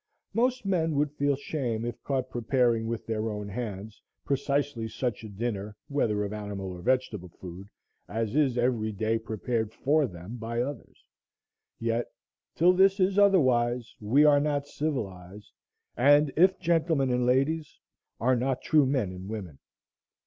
Most men would feel shame if caught preparing with their own hands precisely such a dinner, whether of animal or vegetable food, as is every day prepared for them by others. Yet till this is otherwise we are not civilized, and, if gentlemen and ladies, are not true men and women.